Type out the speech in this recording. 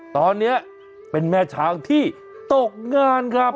ตอนนี้เป็นแม่ช้างที่ตกงานครับ